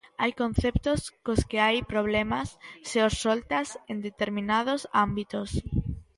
Hai conceptos cos que hai problemas se os soltas en determinados ámbitos.